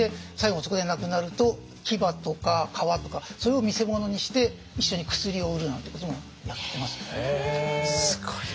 そこで亡くなると牙とか皮とかそれを見せ物にして一緒に薬を売るなんてこともやってますね。